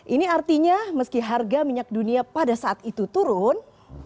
ini artinya meski harga minyak dunia pada saat itu turun